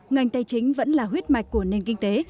ngành tài chính vẫn là huyết mạch của nền kinh tế